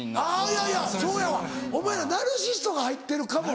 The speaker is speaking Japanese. いやいやそうやわお前らナルシシルトが入ってるかも。